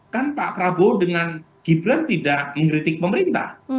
kan pak prabowo dengan gibran tidak mengkritik pemerintah